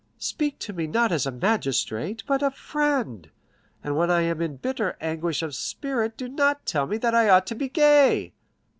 "Speak to me not as a magistrate, but as a friend; and when I am in bitter anguish of spirit, do not tell me that I ought to be gay."